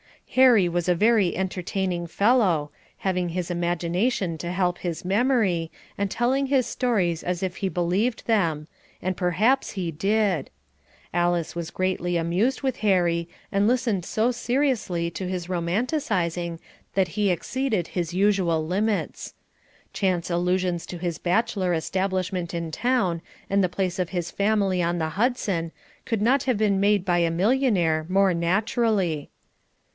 Harry was a very entertaining fellow, having his imagination to help his memory, and telling his stories as if he believed them as perhaps he did. Alice was greatly amused with Harry and listened so seriously to his romancing that he exceeded his usual limits. Chance allusions to his bachelor establishment in town and the place of his family on the Hudson, could not have been made by a millionaire, more naturally.